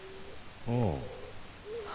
ああ。